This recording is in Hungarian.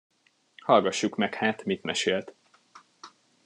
Hallgassuk meg hát, mit mesélt.